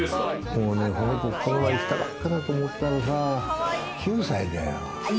もうこの子、この前来たばっかだと思ったらさ、９歳だよ。